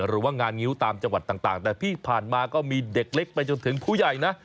หรือว่างานงิ้วตามจังหวัดต่างแต่ที่ผ่านมาก็มีเด็กเล็กไปจนถึงผู้ใหญ่นะ